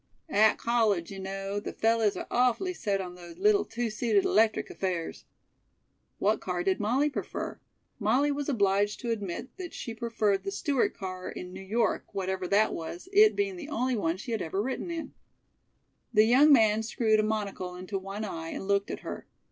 "At college, you know, the fellahs are awfully set on those little two seated electric affairs." What car did Molly prefer? Molly was obliged to admit that she preferred the Stewart car in New York, whatever that was, it being the only one she had ever ridden in. The young man screwed a monocle into one eye and looked at her.